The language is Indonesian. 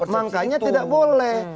makanya tidak boleh